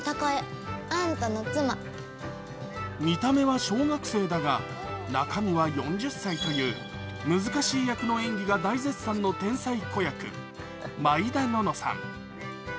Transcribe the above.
見た目は小学生だが、中身は４０歳という難しい役の演技が大絶賛の天才子役、毎田暖乃さん。